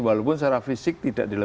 walaupun secara fisik tidak dilakukan